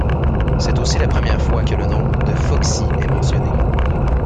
C'est aussi la première fois que le nom de Foxy est mentionné.